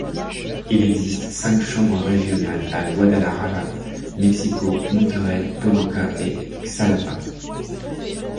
Il existe cinq Chambres régionales à Guadalajara, Mexico, Monterrey, Toluca et Xalapa.